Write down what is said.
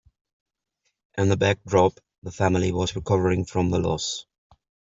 In the backdrop, the family was recovering from the loss.